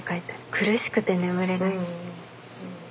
「苦しくて眠れない」。